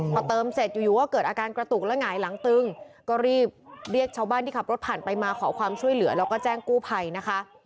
พอเติมเสร็จอยู่ก็เกิดอาการกระตุกและหงายหลังตึงก็รีบเรียกชาวบ้านที่ขับรถผ่านไปมาขอความช่วยเหลือแล้วก็แจ้งกู้ภัยนะคะ